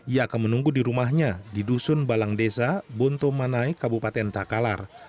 ia akan menunggu di rumahnya di dusun balang desa bontomanai kabupaten takalar